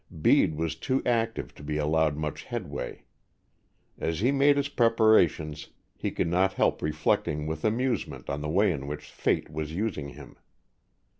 Bede was too active to be allowed much headway. As he made his preparations, he could not help reflecting with amusement on the way in which fate was using him.